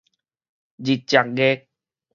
日食月